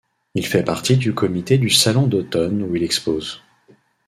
Il fait partie du comité du Salon d'automne où il expose.